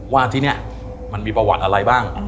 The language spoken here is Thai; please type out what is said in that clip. ว่าที่นี่มันมีประวัติอะไรบ้าง